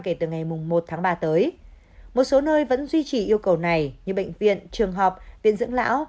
kể từ ngày một tháng ba tới một số nơi vẫn duy trì yêu cầu này như bệnh viện trường học viện dưỡng lão